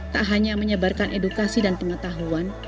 tak hanya menyebarkan edukasi dan pengetahuan